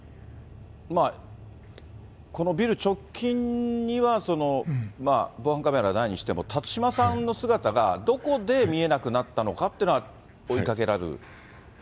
このビル直近には防犯カメラないにしても、辰島さんの姿が、どこで見えなくなったのかというのは追いかけられる？